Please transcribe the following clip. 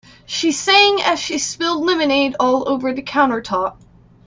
She sang as she spilled lemonade all over the countertop.